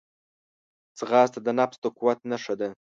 ځغاسته د نفس د قوت نښه ده